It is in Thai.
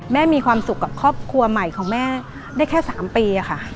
มีความสุขกับครอบครัวใหม่ของแม่ได้แค่๓ปีค่ะ